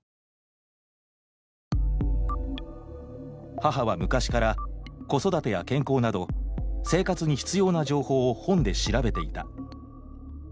母は昔から子育てや健康など生活に必要な情報を本で調べていた。